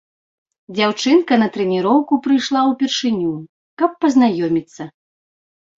Дзяўчынка на трэніроўку прыйшла ўпершыню, каб пазнаёміцца.